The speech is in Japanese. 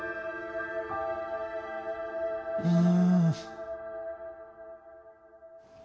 うん。